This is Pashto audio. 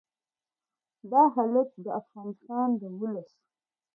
دا حالت د افغانستان د ولس